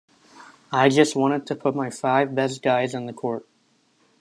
I just wanted to put my five best guys on the court.